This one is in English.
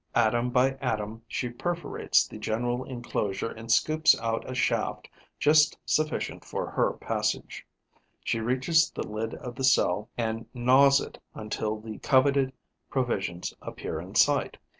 Atom by atom, she perforates the general enclosure and scoops out a shaft just sufficient for her passage; she reaches the lid of the cell and gnaws it until the coveted provisions appear in sight.